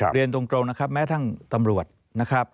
เรียนตรงนะครับแม้ทั้งตำรวจนะครับ